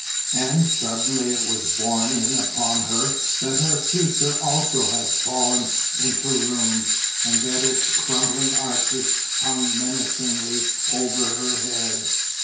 And suddenly it was borne in upon her that her future also had fallen into ruins and that its crumbling arches hung menacingly over her head.